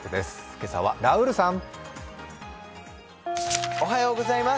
今朝はラウールさん！